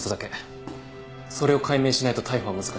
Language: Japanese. それを解明しないと逮捕は難しいです。